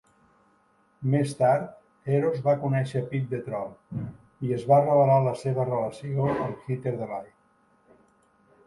Més tard, Eros va conèixer Pip the Troll, i es va revelar la seva relació amb Heater Delight.